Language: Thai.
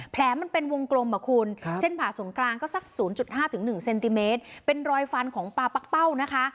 มันเป็นวงกลมอ่ะคุณเส้นผ่าศูนย์กลางก็สัก๐๕๑เซนติเมตรเป็นรอยฟันของปลาปักเป้านะคะ